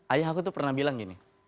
ayah aku tuh pernah bilang gini